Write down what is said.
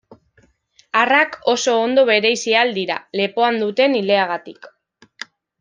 Arrak oso ondo bereizi ahal dira, lepoan duten ileagatik.